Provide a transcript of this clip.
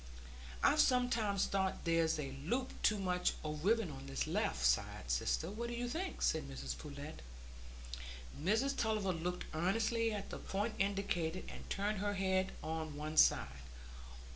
"I've sometimes thought there's a loop too much o' ribbon on this left side, sister; what do you think?" said Mrs Pullet. Mrs Tulliver looked earnestly at the point indicated, and turned her head on one side.